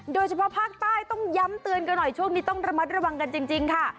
โดยเฉพาะภาคใต้ต้องย้ำเตือนกันหน่อยช่วงนี้ต้องระมัดระวังกันจริงค่ะ